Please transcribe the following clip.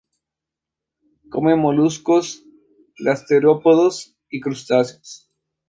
Come moluscos gasterópodos y crustáceos.